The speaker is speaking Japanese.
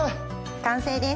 完成です。